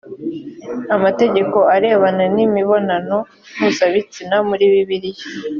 amategeko arebana n imibonano mpuzabitsina muri bibiliya